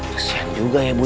kasihan juga ya bu